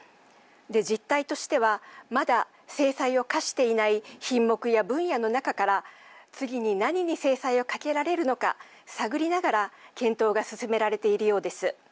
実態としては、まだ制裁を科していない品目や分野の中から次に何に制裁をかけられるのか探りながら検討が進められているようです。